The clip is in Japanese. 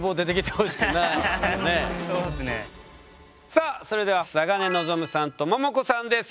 さあそれでは嵯峨根望さんとももこさんです。